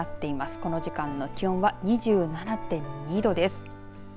この時間の気温は２７．２度です。